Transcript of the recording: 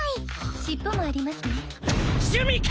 尻尾もありますね趣味か！